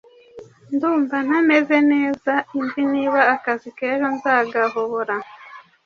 Ndumva ntameze neza inzi niba akazi kejo nzagahobora